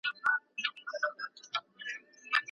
تاسو بايد د سياست پوهني په اړه سمه څېړنه وکړئ.